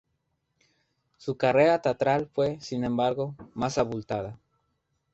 Su carrera teatral fue, sin embargo, más abultada.